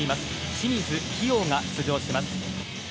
清水希容が出場します。